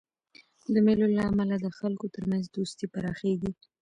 د مېلو له امله د خلکو ترمنځ دوستي پراخېږي.